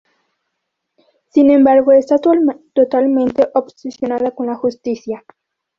Sin embargo está totalmente obsesionada con la Justicia.